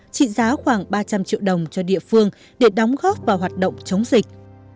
trị giá khoảng ba trăm linh triệu đồng cho địa phương để đóng góp vào hoạt động chống dịch